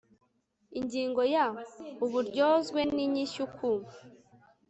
ingingo ya uburyozwe n inyishyu ku